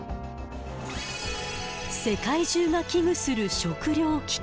世界中が危惧する食料危機。